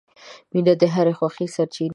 • مینه د هرې خوښۍ سرچینه ده.